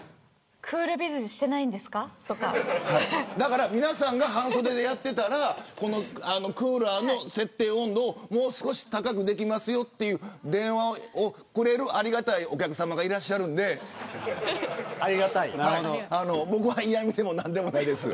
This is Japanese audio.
クールビズしてだから、皆さんが半袖でやっていたらこのクーラーの設定をもう少し高くできますよっていう電話をくれるありがたいお客様がいらっしゃるので僕は嫌みでも何でもないです。